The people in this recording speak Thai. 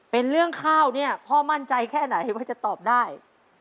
เป็นเรื่องข้าวเนี่ยพ่อมั่นใจแค่ไหนว่าจะตอบได้